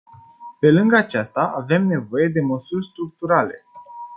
Pe lângă aceasta, avem nevoie de măsuri structurale.